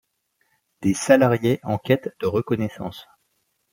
Des salariés en quête de reconnaissance.